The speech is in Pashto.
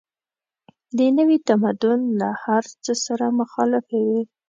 د نوي تمدن له هر څه سره مخالفې وې.